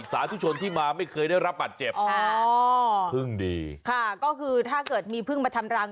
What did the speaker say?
สาธุชนที่มาไม่เคยได้รับบาดเจ็บอ๋อพึ่งดีค่ะก็คือถ้าเกิดมีพึ่งมาทำรัง